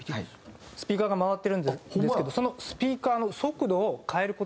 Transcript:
スピーカーが回ってるんですけどそのスピーカーの速度を変える事ができるんですよ。